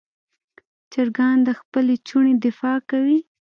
چرګان د خپل چوڼې دفاع کوي.